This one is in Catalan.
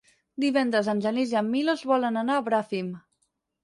Divendres en Genís i en Milos volen anar a Bràfim.